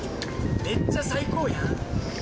めっちゃ最高やん。